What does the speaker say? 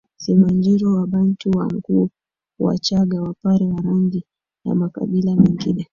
Simanjiro Wabantu Wanguu Wachagga Wapare Warangi na makabila mengine